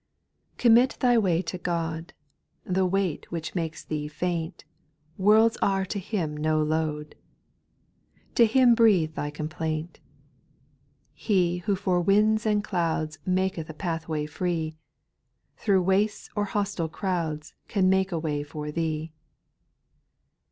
COMMIT thy way to God ; \j The weight which makes thee faint — Worlds are to Him no load ! To Him breathe thy complaint. He who for winds and clouds Maketh a pathway free. Through wastes or hostile crowds Can make a way for thee.